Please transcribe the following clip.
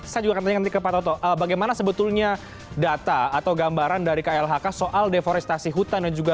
saya juga akan tanya nanti ke pak toto bagaimana sebetulnya data atau gambaran dari klhk soal deforestasi hutan yang juga luas tutupan lahan tadi itu terhadap daerah aliran sungai